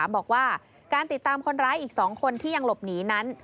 บอกว่าการติดตามคนร้ายอีก๒คนที่ยังหลบหนีนั้น